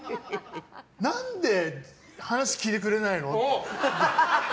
何で話聞いてくれないの！って。